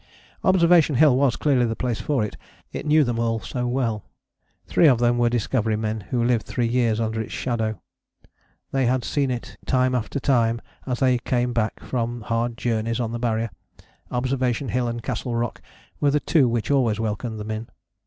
" Observation Hill was clearly the place for it, it knew them all so well. Three of them were Discovery men who lived three years under its shadow: they had seen it time after time as they came back from hard journeys on the Barrier: Observation Hill and Castle Rock were the two which always welcomed them in.